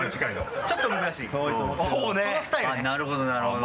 あっなるほどなるほど。